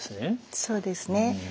そうですね。